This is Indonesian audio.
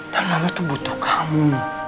dan mama tuh butuh kamu